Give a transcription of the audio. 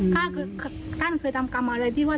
ก็คือท่านเคยทำกรรมอะไรที่ว่า